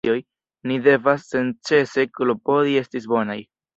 Ni devas senĉese klopodi esti bonaj.